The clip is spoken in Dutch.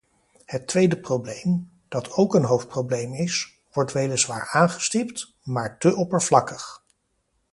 Het tweede probleem, dat ook een hoofdprobleem is, wordt weliswaar aangestipt, maar te oppervlakkig.